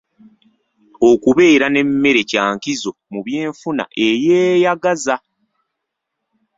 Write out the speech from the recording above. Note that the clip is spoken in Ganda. Okubeera n'emmere kya nkizo mu by'enfuna eyeeyagaza.